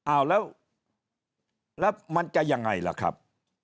อ้าวแล้วมันจะยังไงล่ะครับ